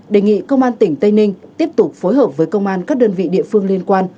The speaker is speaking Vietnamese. đề nghị công an tỉnh tây ninh tiếp tục phối hợp với công an các đơn vị địa phương liên quan